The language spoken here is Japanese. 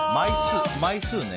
枚数ね。